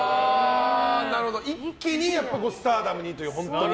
なるほど一気にスターダムにという。